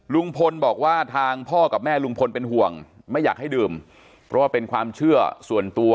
ลุงพลบอกว่าทางพ่อกับแม่ลุงพลเป็นห่วงไม่อยากให้ดื่มเพราะว่าเป็นความเชื่อส่วนตัว